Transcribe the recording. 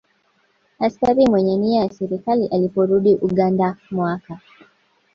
Askari Mwenye Nia ya Serikali Aliporudi Uganda mwaka